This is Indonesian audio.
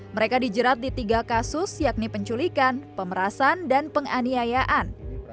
mereka dijerat di tiga kasus yakni penculikan pemerasan dan penganiayaan